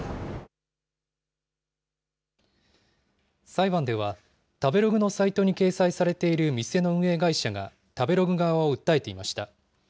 裁判では、食べログのサイトに掲載されている店の運営会社が食べログ側を訴えていました。